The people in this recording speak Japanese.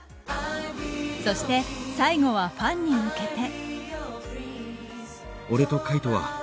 そして、最後はファンに向けて。